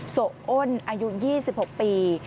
โสะอ้นอายุ๒๖ปี